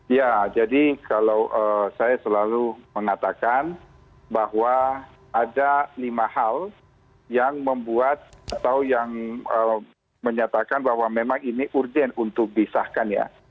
ya jadi kalau saya selalu mengatakan bahwa ada lima hal yang membuat atau yang menyatakan bahwa memang ini urgen untuk disahkan ya